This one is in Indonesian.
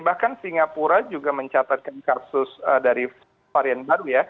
bahkan singapura juga mencatatkan kasus dari varian baru ya